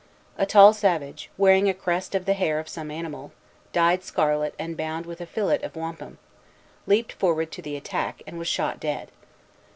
A tall savage, wearing a crest of the hair of some animal, dyed scarlet and bound with a fillet of wampum, leaped forward to the attack, and was shot dead.